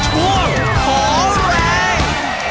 ช่วงขอแรง